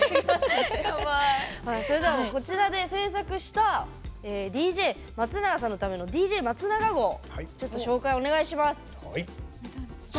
それではこちらで製作したＤＪ松永さんのためのＤＪ松永号紹介お願いします。